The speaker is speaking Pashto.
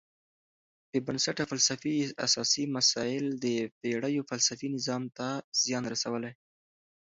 بېبنسټه فلسفي اساسي مسئله د پېړیو فلسفي نظام ته زیان رسولی.